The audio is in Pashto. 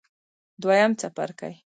دویم څپرکی